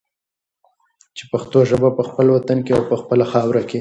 چې پښتو ژبه په خپل وطن کې او په خپله خاوره کې